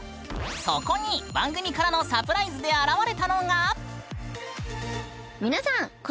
そこに番組からのサプライズで現れたのが。